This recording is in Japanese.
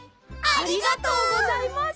ありがとうございます！